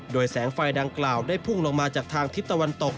โดยแสงไฟดังกล่าวได้พุ่งลงมาจากทางทิศตะวันตก